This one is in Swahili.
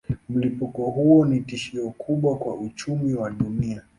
Mlipuko huo ni tishio kubwa kwa uchumi wa dunia.